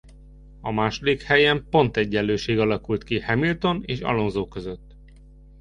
A második helyen pontegyenlőség alakult ki Hamilton és Alonso között.